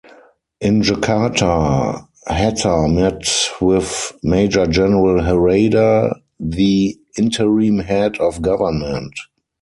In Jakarta, Hatta met with Major General Harada, the Interim Head of Government.